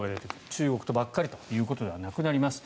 中国とばかりということではなくなります。